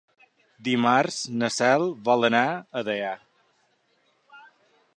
Dimarts na Cel vol anar a Deià.